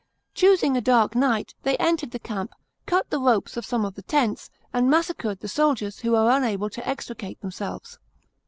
Choosing a dark night, they entered the camp, cut the ropes of some of the tents, and massacred the soldiers who were unaUe to extricate themselves.